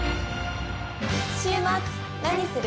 週末何する？